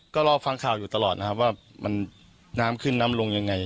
ก็รอฟังข่าวอยู่ตลอดนะครับว่ามันน้ำขึ้นน้ำลงยังไง